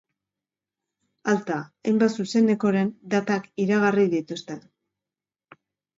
Alta, hainbat zuzenekoren datak iragarri dituzte.